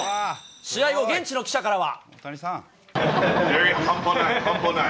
試合後、現地の記者からは。